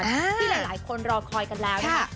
ที่หลายคนรอคอยกันแล้วนะคะ